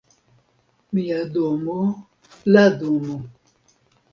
Mia domo, la domo.